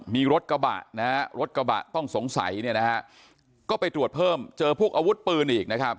มีรถกระบะรถกระบะต้องสงสัยก็ไปตรวจเพิ่มเจอพวกอาวุธปืนอีก